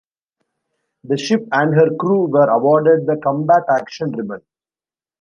The ship and her crew were awarded the Combat Action Ribbon.